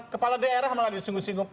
kepala daerah malah disinggung singgung